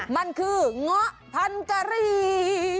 มันคือง้อพันการี